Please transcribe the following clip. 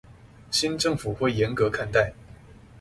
新政府會嚴肅看待